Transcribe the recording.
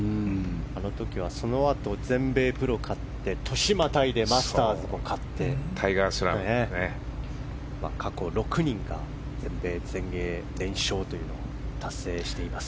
あの時はそのあと全米プロを勝って年をまたいでマスターズも勝って過去６人が全米、全英連勝というのを達成しています。